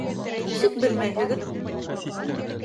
Нисек белмәйһегеҙ?